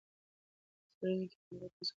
څېړنې کې پنځه کسانو ګډون درلود.